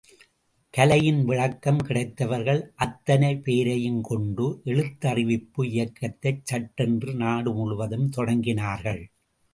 கலையின் விளக்கம் கிடைத்தவர்கள் அத்தனை பேரையும் கொண்டு, எழுத்தறிவிப்பு இயக்கத்தைச் சட்டென்று நாடு முழுவதும் தொடங்கினார்கள்.